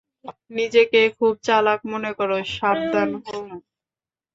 নিজেকে খুব চালাক মনে করো সাবধান হূম?